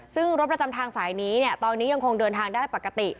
ซึ่งรถประจำทางสายนี้เนี่ยตอนนี้ยังคงเดินทางได้ปกติ